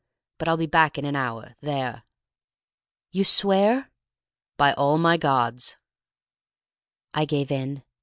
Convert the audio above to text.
But I'll be back in an hour—there!" "You swear?" "By all my gods." I gave in.